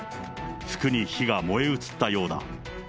服に火が燃え移ったようだ。